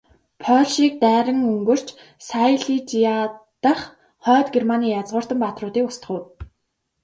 Польшийг дайран өнгөрч, Сайлижиа дахь Хойд Германы язгууртан баатруудыг устгав.